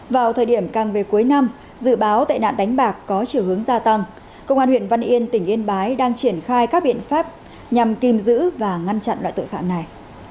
vào thời điểm càng về cuối năm dự báo tệ nạn đánh bạc có chiều hướng gia tăng công an huyện văn yên tỉnh yên bái đang triển khai các biện pháp nhằm tìm giữ và ngăn chặn loại tội phạm này